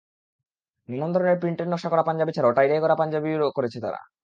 নানা ধরনের প্রিন্টের নকশা করা পাঞ্জাবি ছাড়াও টাইডাই করা পাঞ্জাবিও করেছে তারা।